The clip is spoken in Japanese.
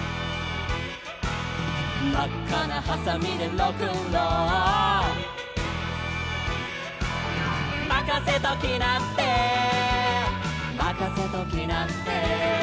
「まっかなはさみでロックンロール」「まかせときなってまかせときなって」